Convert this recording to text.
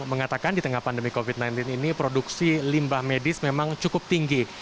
mengatakan di tengah pandemi covid sembilan belas ini produksi limbah medis memang cukup tinggi